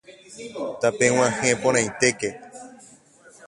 Tapeg̃uahẽporãitéke